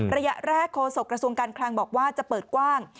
ระยะแรกโฆษกระทรวงการคลังบอกว่าจะเปิดกว้าง